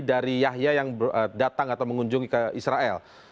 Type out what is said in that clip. dari yahya yang datang atau mengunjungi ke israel